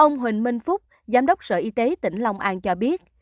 ông huỳnh minh phúc giám đốc sở y tế tỉnh long an cho biết